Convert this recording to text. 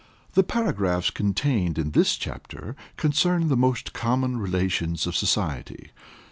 _ The paragraphs contained in this chapter concern the most common relations of society.